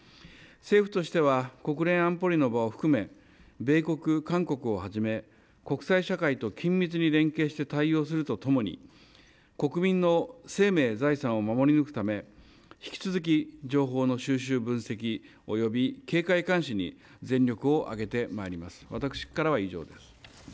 政府としては、国連安保理の場を含め、米国、韓国をはじめ、国際社会と緊密に連携して対応するとともに、国民の生命、財産を守り抜くため、引き続き、情報の収集分析、および警戒監視に全力を挙げてまいります。